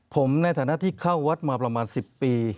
ผมในฐานะที่เข้าวัดมาประมาณ๑๐ปี